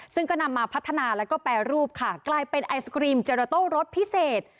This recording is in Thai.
ซึ่งก็นำมาพัฒนาแล้วก็แปรรูปค่ะกลายเป็นไอศกรีมเจโรโต้รสพิเศษ